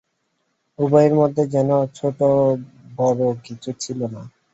উভয়ের মধ্যে যেন ছোটোবড়ো কিছু ছিল না।